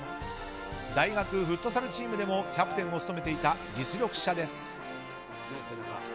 大学フットサルチームでもキャプテンを務めていた実力者です。